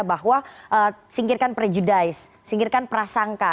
bahwa singkirkan prejudice singkirkan prasangka